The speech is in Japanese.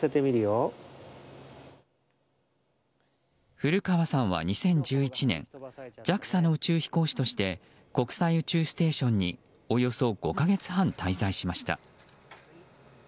古川さんは２０１１年ＪＡＸＡの宇宙飛行士として国際宇宙ステーションにおよそ５か月半滞在しました。